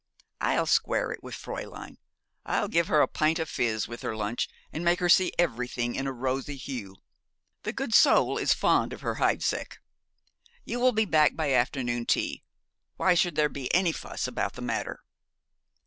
'I'll square it with Fräulein. I'll give her a pint of fiz with her lunch, and make her see everything in a rosy hue. The good soul is fond of her Heidseck. You will be back by afternoon tea. Why should there be any fuss about the matter?